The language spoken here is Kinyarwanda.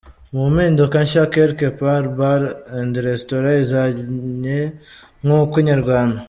Mu mpinduka nshya Quelque part bar and Restaurant izanye nkuko Inyarwanda.